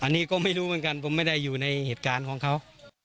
อันนี้ก็ไม่รู้เหมือนกันผมไม่ได้อยู่ในเหตุการณ์ของเขา